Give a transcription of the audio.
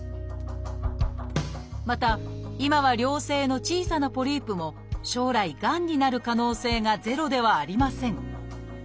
また今は良性の小さなポリープも将来がんになる可能性がゼロではありません。